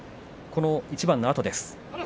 この一番のあとです。